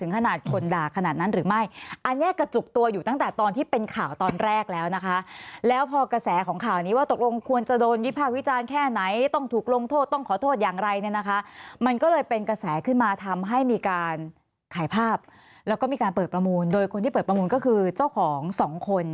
ขนาดคนด่าขนาดนั้นหรือไม่อันนี้กระจุกตัวอยู่ตั้งแต่ตอนที่เป็นข่าวตอนแรกแล้วนะคะแล้วพอกระแสของข่าวนี้ว่าตกลงควรจะโดนวิภาควิจารณ์แค่ไหนต้องถูกลงโทษต้องขอโทษอย่างไรเนี่ยนะคะมันก็เลยเป็นกระแสขึ้นมาทำให้มีการขายภาพแล้วก็มีการเปิดประมูลโดยคนที่เปิดประมูลก็คือเจ้าของสองคน